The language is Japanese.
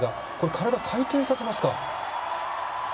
体、回転させますか。